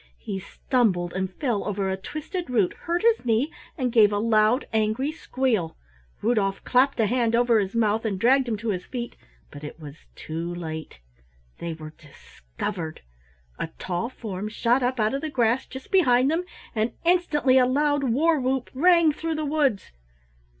He stumbled and fell over a twisted root, hurt his knee, and gave a loud angry squeal. Rudolf clapped a hand over his mouth and dragged him to his feet, but it was too late they were discovered. A tall form shot up out of the grass just behind them, and instantly a loud war whoop rang through the woods.